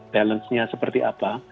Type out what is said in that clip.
balance nya seperti apa